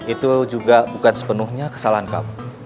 itu juga bukan sepenuhnya kesalahan kamu